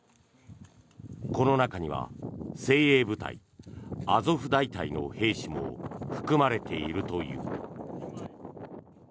この中には精鋭部隊アゾフ大隊の兵士も含まれているという。